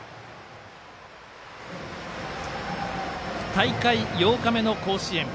大会８日目の甲子園。